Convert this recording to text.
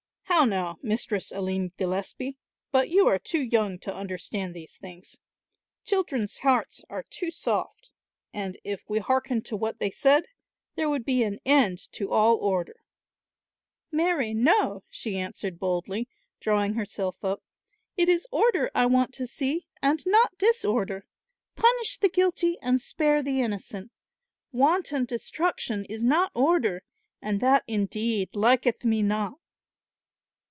"How now, Mistress Aline Gillespie; but you are too young to understand these things. Children's hearts are too soft and if we hearkened to what they said, there would be an end to all order." "Marry, no," she answered boldly, drawing herself up, "it is order I want to see and not disorder. Punish the guilty and spare the innocent. Wanton destruction is not order, and that indeed liketh me not."